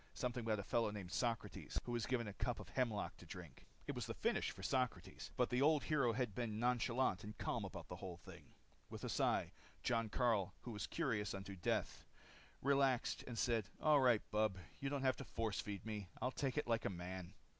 Something about a fellow named Socrates who was given a cup of hemlock to drink. It was the finis for Socrates. But the old hero had been nonchalant and calm about the whole thing. With a sigh, Jon Karyl, who was curious unto death, relaxed and said, "All right, bub, you don't have to force feed me. I'll take it like a man."